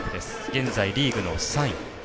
現在リーグの３位。